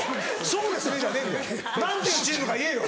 「そうですね」じゃねえんだよ